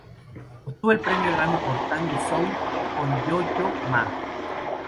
Obtuvo el Premio Grammy por "Tango soul" con Yo Yo Ma.